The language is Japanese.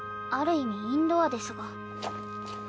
ある意味インドアですが。